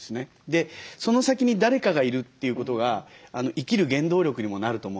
でその先に誰かがいるということが生きる原動力にもなると思うんですよ。